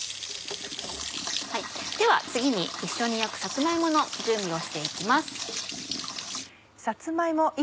では次に一緒に焼くさつま芋の準備をして行きます。